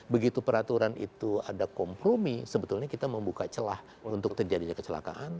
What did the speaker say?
begitu peraturan itu ada kompromi sebetulnya kita membuka celah untuk terjadinya kecelakaan